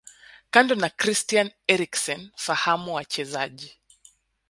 Kando na Christian Eriksen fahamu wachezaji